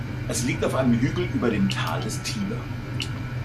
Es liegt auf einem Hügel über dem Tal des Tiber.